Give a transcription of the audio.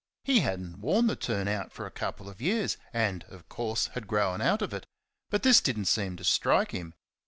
He had n't worn the turn out for a couple of years, and, of course, had grown out of it, but this did n't seem to strike him.